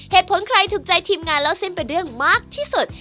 ใครถูกใจทีมงานเล่าเส้นเป็นเรื่องมากที่สุด